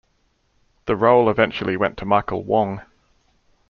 The role eventually went to Michael Wong.